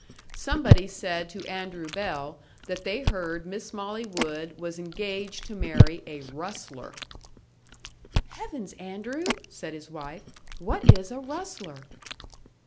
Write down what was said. Somebody said to Andrew Bell that they heard Miss Molly Wood was engaged to marry a RUSTLER. "Heavens, Andrew!" said his wife; "what is a rustler?"